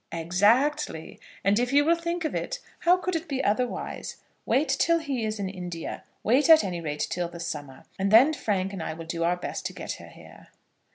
"Exactly; and if you will think of it, how could it be otherwise? Wait till he is in India. Wait at any rate till the summer, and then Frank and I will do our best to get her here."